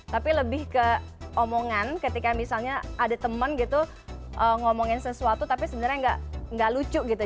tapi lebih ke omongan ketika misalnya ada temen gitu ngomongin sesuatu tapi sebenarnya gak lucu gitu